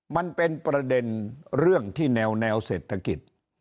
มันเป็นประเด็นเรื่องที่แนวเศรษฐกิจ